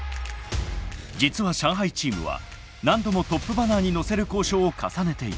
実は上海チームは何度もトップバナーに載せる交渉を重ねていた。